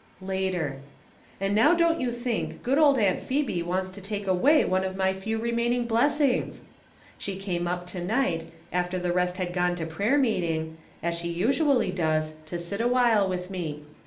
Later. — And now don't you think good old Aimt Phebe wants to take away one of my few remaining blessings ! She came up to night, after the rest had gone to prayer meeting, as she usually does, to sit awhile with me.